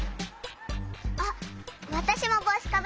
あっわたしもぼうしかぶっていこう。